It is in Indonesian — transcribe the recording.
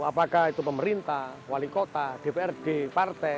apakah itu pemerintah wali kota dprd partai